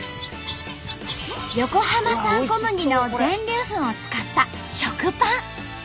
横浜産小麦の全粒粉を使った食パン。